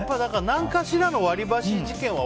何かしらの割り箸事件は